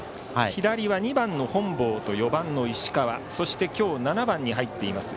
左は２番の本坊と４番の石川そして今日、７番に入っています